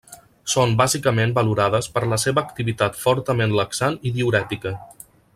Són bàsicament valorades per la seva activitat fortament laxant i diürètica.